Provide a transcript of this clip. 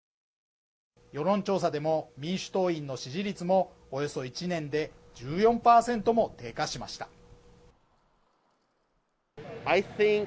世論調査でも民主党員の支持率もおよそ１年で１４％も低下しました